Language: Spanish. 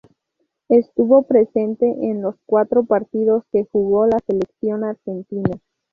Estuvo presente en los cuatro partidos que jugó la Selección Argentina.